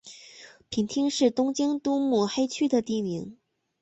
平町是东京都目黑区的地名。